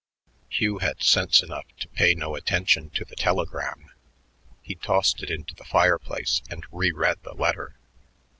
Hugh had sense enough to pay no attention to the telegram; he tossed it into the fireplace and reread the letter.